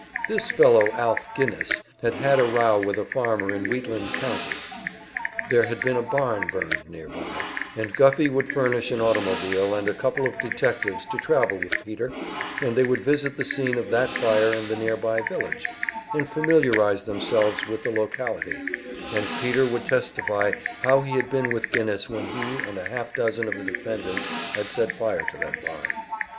This fellow Alf Guinness had had a row with a farmer in Wheatland County; there had been a barn burned nearby, and Guffey would furnish an automobile and a couple of detectives to travel with Peter, and they would visit the scene of that fire and the nearby village, and familiarize themselves with the locality, and Peter would testify how he had been with Guinness when he and a half dozen of the defendants had set fire to that barn.